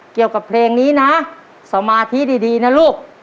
เกี่ยวกับเพลงนี้นะสมาธิดีนะลูก